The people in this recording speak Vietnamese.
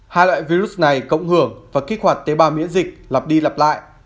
hai loại virus này cộng hưởng và kích hoạt tế bào miễn dịch lặp đi lặp lại